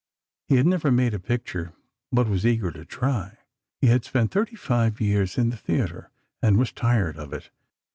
He had never made a picture, but was eager to try. He had spent thirty five years in the theatre, and was tired of it.